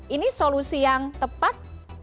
ini solusi yang tepat